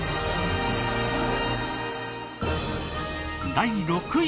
第６位。